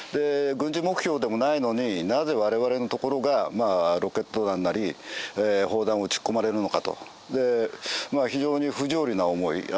軍事目標でもないのになぜ、我々のところがロケット弾なり砲弾を撃ち込まれるのかと非常に不条理な思い。